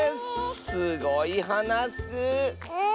すごいはなッス！